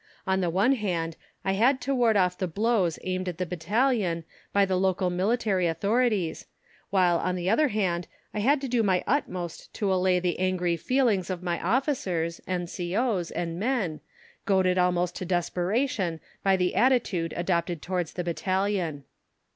On the one hand I had to ward off the blows aimed at the battalion by the local military authorities, while on the other hand I had to do my utmost to allay the angry feelings of my officers, N.C.O.s, and men, goaded almost to desperation by the attitude adopted towards the battalion.